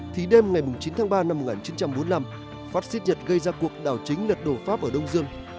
thì đêm ngày chín tháng ba năm một nghìn chín trăm bốn mươi năm phát xít nhật gây ra cuộc đảo chính lật đổ pháp ở đông dương